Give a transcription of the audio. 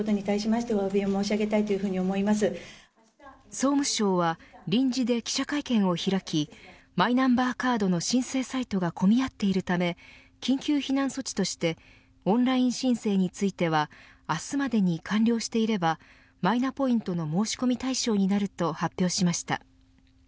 総務省は臨時で記者会見を開きマイナンバーカードの申請サイトが混み合っているため緊急避難措置としてオンライン申請については明日までに完了していればマイナポイントの申し込み対象になると発表しました。